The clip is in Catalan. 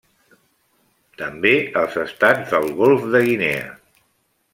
També als estats del Golf de Guinea.